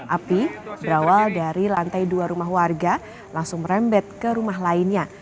api berawal dari lantai dua rumah warga langsung merembet ke rumah lainnya